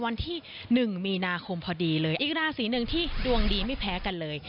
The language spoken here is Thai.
วันที่๑มีนาคมพอดีเลยอีกราศีหนึ่งที่ดวงดีไม่แพ้กันเลย